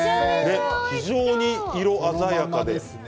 非常に色鮮やかですね。